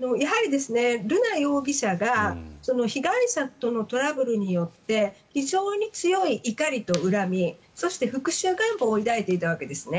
やはり瑠奈容疑者が被害者とのトラブルによって非常に強い怒りと恨みそして、復しゅう願望を抱いていたわけですね。